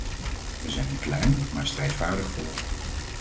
Wij zijn een klein, maar strijdvaardig volk.